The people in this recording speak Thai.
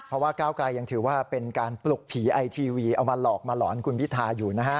เพราะว่าก้าวกลายยังถือว่าเป็นการปลุกผีไอทีวีเอามาหลอกมาหลอนคุณพิทาอยู่นะฮะ